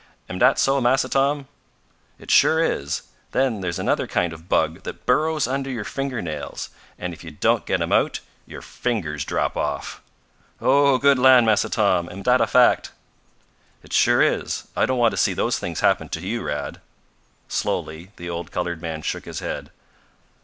"Am dat so Massa Tom?" "It sure is. Then there's another kind of bug that burrows under your fingernails, and if you don't get 'em out, your fingers drop off." "Oh, good land, Massa Tom! Am dat a fact?" "It sure is. I don't want to see those things happen to you, Rad." Slowly the old colored man shook his head.